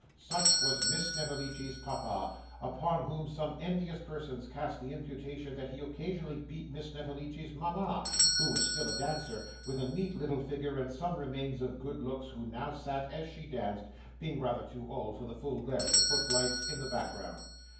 Such was Miss Snevellicci's papa, upon whom some envious persons cast the imputation that he occasionally beat Miss Snevellicci's mama, who was still a dancer, with a neat little figure and some remains of good looks; and who now sat, as she danced, being rather too old for the full glare of the foot lights, in the background.